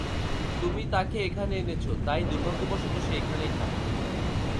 তুমি তাকে এখানে এনেছো, তাই দুভার্গ্যবশত, সে এখানেই থাকবে।